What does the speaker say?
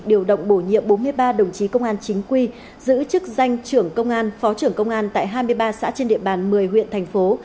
điều động bổ nhiệm bốn mươi ba đồng chí công an chính quy giữ chức danh trưởng công an phó trưởng công an tại hai mươi ba xã trên địa bàn một mươi huyện thành phố